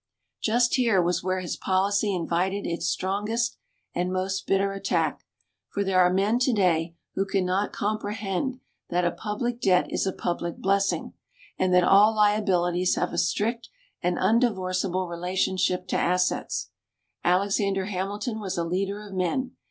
Just here was where his policy invited its strongest and most bitter attack. For there are men today who can not comprehend that a public debt is a public blessing, and that all liabilities have a strict and undivorceable relationship to assets. Alexander Hamilton was a leader of men.